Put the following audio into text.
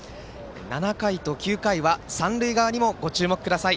７回と９回は三塁側にもご注目ください。